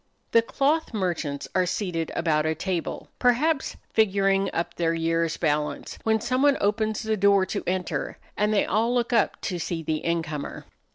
The cloth merchants are seated about a table, perhaps figuring up their year's balance, when someone opens the door to enter and they all look up to see the incomer.